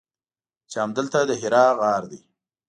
چې همدلته د حرا غار دی.